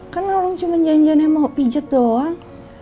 kan orang cuma janjiannya mau pijat doang